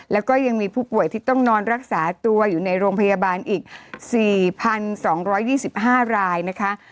แล้วก็ยังมีผู้ป่วยที่ต้องนอนรักษาตัวอยู่ในโรงพยาบาลอีก๔๒๒๕รายนะคะ